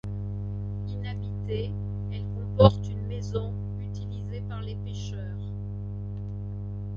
Inhabitée, elle comporte une maison utilisée par les pêcheurs.